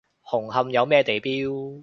紅磡有咩地標？